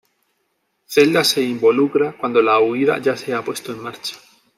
Zelda se involucra cuando la huida ya se ha puesto en marcha.